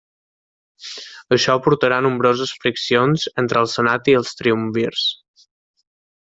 Això portarà nombroses friccions entre el senat i els triumvirs.